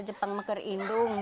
jepang itu masih diperlukan